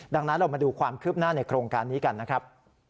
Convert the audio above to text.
ดังนั้นเรามาดูความคืบหน้าในโครงการนี้กันนะครับ